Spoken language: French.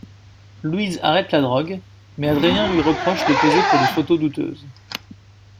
Louise arrête la drogue, mais Adrien lui reproche de poser pour des photos douteuses.